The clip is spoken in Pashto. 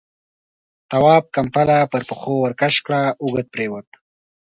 تواب ، کمپله پر پښو ورکش کړه، اوږد پرېووت.